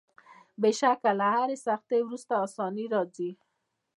بېشکه له هري سختۍ وروسته آساني راځي.